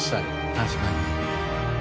確かに。